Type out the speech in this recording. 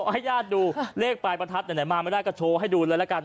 ให้ญาติดูเลขปลายประทัดไหนมาไม่ได้ก็โชว์ให้ดูเลยละกัน